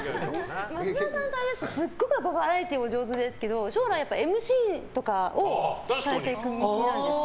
増田さんってすごくバラエティーお上手ですけど将来、ＭＣとかをされていく道なんですか？